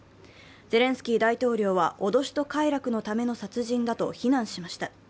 ゼレンスキー大統領は、脅しと快楽のための殺人だと非難しました。